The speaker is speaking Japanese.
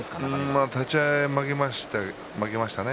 立ち合い負けましたね。